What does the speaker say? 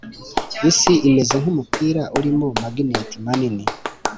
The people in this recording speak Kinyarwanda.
isi imeze nkumupira urimo magneti manini.